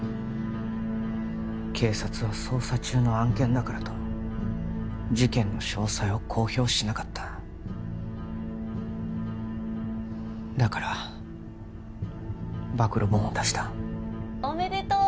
警察は捜査中の案件だからと事件の詳細を公表しなかっただから暴露本を出したおめでとう！